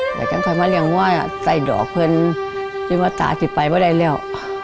เพราะฉะนั้นค่อยมาเรียงหัวใส่ดอกเพลินที่มันตายไปก็ได้แล้ว